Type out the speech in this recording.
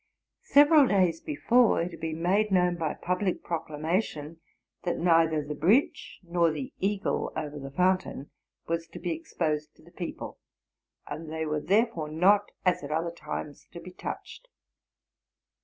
Several days before, it had been made known by public proclamation, that neither the bridge nor the eagle over the fountain was to be exposed to the people, and they were there fore not, as at other times, to be touched.